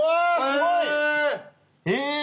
え！